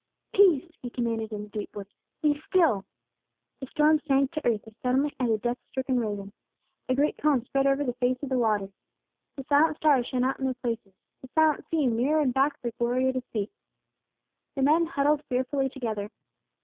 "Peace!" he commanded in a deep voice. "Be still!" The storm sank to earth as suddenly as a death stricken raven; a great calm spread over the face of the waters. The silent stars shone out in their places; the silent sea mirrored back their glory at His feet. The men huddled fearfully together.